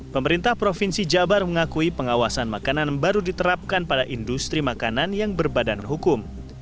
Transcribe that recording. pemerintah provinsi jabar mengakui pengawasan makanan baru diterapkan pada industri makanan yang berbadan hukum